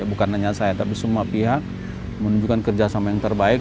bukan hanya saya tapi semua pihak menunjukkan kerjasama yang terbaik